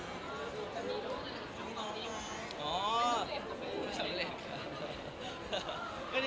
อ๋อสำเร็จครับ